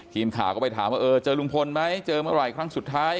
ทีมข่าวก็ไปถามว่าเออเจอลุงพลไหมเจอเมื่อไหร่ครั้งสุดท้าย